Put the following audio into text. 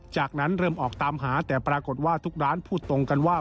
จากนั้นเริ่มออกตามหาแต่ปรากฏว่าทุกร้านพูดตรงกันว่า